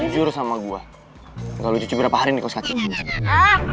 jujur sama gue gak lucu juga berapa hari nih kau sekakinya